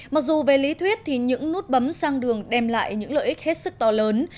mặc dù về lý thuyết thì những nút bấm sang đường đem lại những lợi ích hết sức to lớn